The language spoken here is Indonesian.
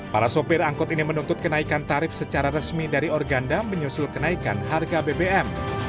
para sopir angkut ini menuntut kenaikan tarif secara resmi dari organda menyusul kenaikan harga bbm